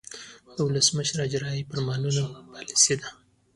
د ولسمشر اجراییوي فرمانونه پالیسي ده.